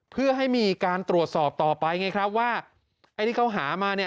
เพื่อให้มีการตรวจสอบต่อไปไงครับว่าไอ้ที่เขาหามาเนี่ย